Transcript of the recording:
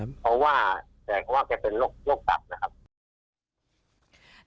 เพราะว่าแกเป็นโรคตับนะครับ